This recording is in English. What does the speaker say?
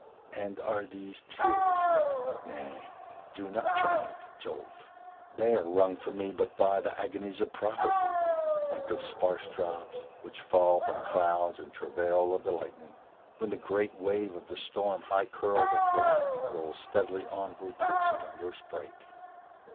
And are these tears? Nay, do not triumph, Jove, They are wrung from me but by the agonies Of prophecy, like those sparse drops which fall From clouds in travail of the lightning, when The great wave of the storm high curled and black Rolls steadily onward to its thunderous break.